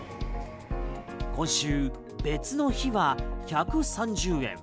今週、別の日は１３０円。